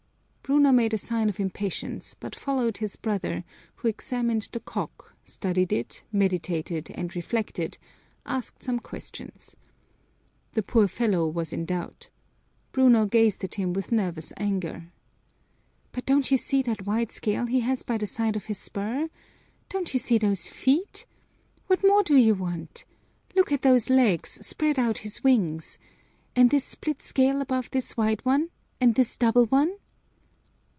Bruno made a sign of impatience, but followed his brother, who examined the cock, studied it, meditated and reflected, asked some questions. The poor fellow was in doubt. Bruno gazed at him with nervous anger. "But don't you see that wide scale he has by the side of his spur? Don't you see those feet? What more do you want? Look at those legs, spread out his wings! And this split scale above this wide one, and this double one?"